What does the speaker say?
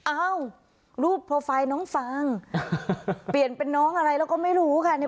อ้าวรูปโปรไฟล์น้องฟังเปลี่ยนเป็นน้องอะไรแล้วก็ไม่รู้ค่ะ